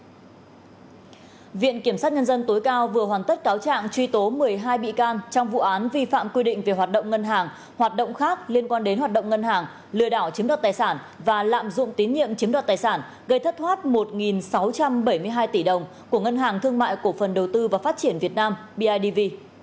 viện kiểm sát nhân dân tối cao vừa hoàn tất cáo trạng truy tố một mươi hai bị can trong vụ án vi phạm quy định về hoạt động ngân hàng hoạt động khác liên quan đến hoạt động ngân hàng lừa đảo chiếm đoạt tài sản và lạm dụng tín nhiệm chiếm đoạt tài sản gây thất thoát một sáu trăm bảy mươi hai tỷ đồng của ngân hàng thương mại cổ phần đầu tư và phát triển việt nam bidv